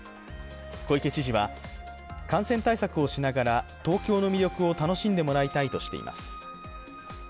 小池知事は、感染対策をしながら東京の魅力を楽しんでもらいたいとしています。